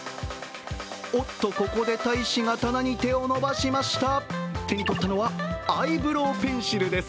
おっとここで大使が棚に手を伸ばしました手に取ったのは、アイブロウペンシルです。